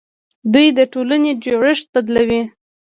دوی د ټولنې جوړښت بدلوي.